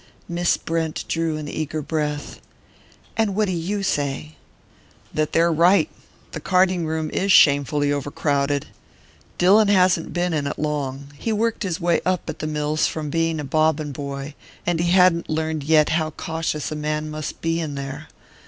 Miss Brent drew an eager breath. "And what do you say?" "That they're right: the carding room is shamefully overcrowded. Dillon hasn't been in it long he worked his way up at the mills from being a bobbin boy and he hadn't yet learned how cautious a man must be in there.